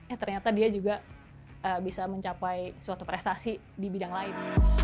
eh ternyata dia juga bisa mencapai suatu prestasi di bidang lain